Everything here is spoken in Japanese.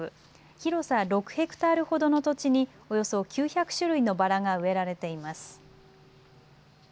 広さ６へクタールほどの土地におよそ９００種類のバラが植えられています。